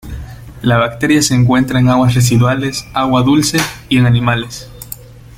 La bacteria se encuentra en aguas residuales, agua dulce y en animales.